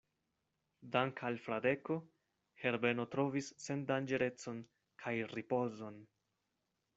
Dank' al Fradeko, Herbeno trovis sendanĝerecon kaj ripozon.